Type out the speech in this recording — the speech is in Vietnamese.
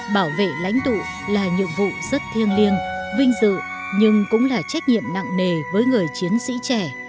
bảo vệ lãnh tụ là nhiệm vụ rất thiêng liêng vinh dự nhưng cũng là trách nhiệm nặng nề với người chiến sĩ trẻ